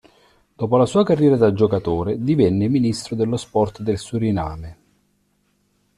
Dopo la sua carriera da giocatore, divenne ministro dello sport del Suriname.